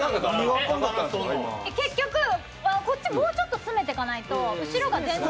結局、こっちもうちょっと詰めてかないと後ろが全然。